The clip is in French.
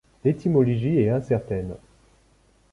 L'étymologie est incertaine.